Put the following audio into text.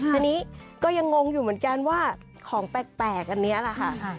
ทีนี้ก็ยังงงอยู่เหมือนกันว่าของแปลกอันนี้แหละค่ะ